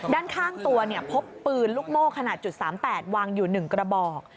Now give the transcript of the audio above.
ด้านข้างตัวพบปืนลูกโม่ขนาด๓๘วางอยู่๑กระบอก